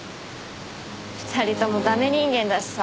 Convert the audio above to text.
２人とも駄目人間だしさ。